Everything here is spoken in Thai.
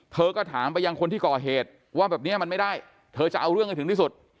เธอก็ถามไปยังคนที่ก่อเหตุว่าแบบนี้มันไม่ได้เธอจะเอาเรื่องให้ถึงที่สุด